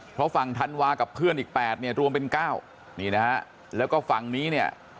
เพราะฝั่งธันวากับเพื่อนอีก๘เนี่ยรวมเป็น๙นี่นะฮะแล้วก็ฝั่งนี้เนี่ย